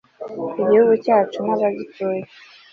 igihugu cyacu n'abagituye